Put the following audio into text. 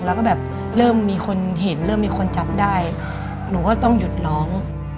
แล้วก็แบบเริ่มมีคนเห็นเริ่มมีคนจับได้หนูก็ต้องหยุดร้อง